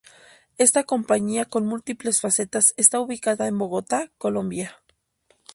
Esta compañía con múltiples facetas está ubicada en Bogotá, Colombia.